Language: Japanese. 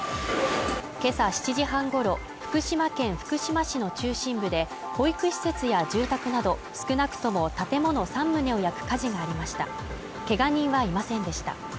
今朝７時半ごろ、福島県福島市の中心部で、保育施設や住宅など少なくとも建物３棟を焼く火事がありましたけが人はいませんでした。